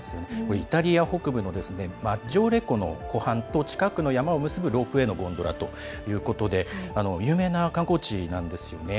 イタリア北部のマジョーレ湖と近くの山を結ぶロープウェーのゴンドラということで有名な観光地なんですよね。